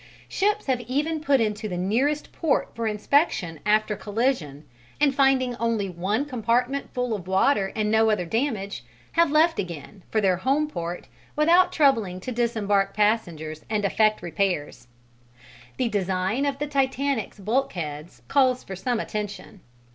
Ships have even put into the nearest port for inspection after collision, and finding only one compartment full of water and no other damage, have left again, for their home port without troubling to disembark passengers and effect repairs. The design of the Titanic's bulkheads calls for some attention.